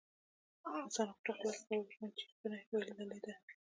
حسن غوټه خلاصه کړه او ورېښمین چپنه وځلېده.